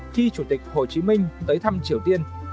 khi chủ tịch hồ chí minh tới thăm triều tiên